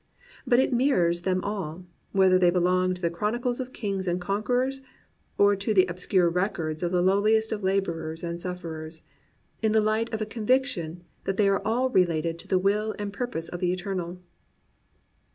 But it mirrors them all, whether they belong to the chronicles of kings and conquerors, or to the obscure records of the lowliest of labourers and sufferers, in the light of a conviction that they are all related to the will and purpose of the Eternal.